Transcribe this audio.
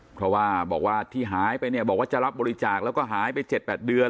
เพราะว่าบอกว่าที่หายไปเนี่ยบอกว่าจะรับบริจาคแล้วก็หายไป๗๘เดือน